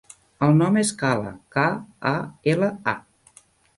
El nom és Kala: ca, a, ela, a.